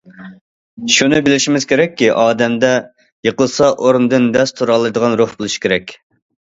شۇنى بىلىشىمىز كېرەككى، ئادەمدە، يىقىلسا، ئورنىدىن دەست تۇرالايدىغان روھ بولۇشى كېرەك.